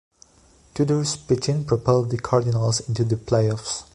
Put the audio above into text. Tudor's pitching propelled the Cardinals into the playoffs.